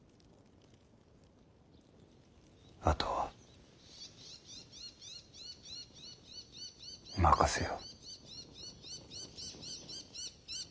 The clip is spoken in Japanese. あとは任せよ。